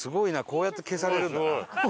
こうやって消されるんだな。